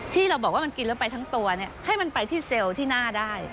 ที่เราบอกว่ามันกินแล้วไปทั้งตัวให้มันไปที่เซลล์ที่หน้าได้